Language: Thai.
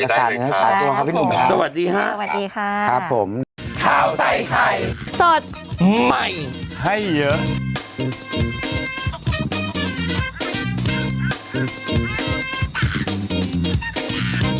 สวัสดีครับสวัสดีครับ